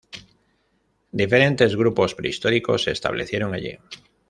Diferentes grupos prehistóricos se establecieron allí.